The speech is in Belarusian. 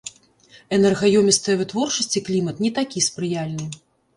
Энергаёмістая вытворчасць і клімат не такі спрыяльны.